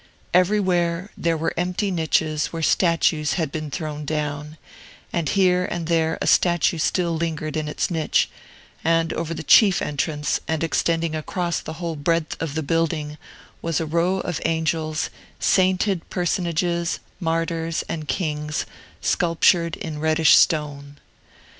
Everywhere, there were empty niches where statues had been thrown down, and here and there a statue still lingered in its niche; and over the chief entrance, and extending across the whole breadth of the building, was a row of angels, sainted personages, martyrs, and kings, sculptured in reddish stone.